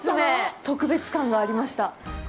特別感がありました。